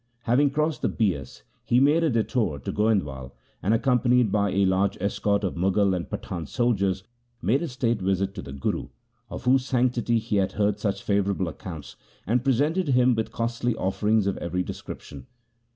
Having crossed the Bias he made a detour to Goindwal, and accom panied by a large escort of Mughal and Pathan soldiers made a state visit to the Guru, of whose sanctity he had heard such favourable accounts, and presented him with costly offerings of every descrip tion.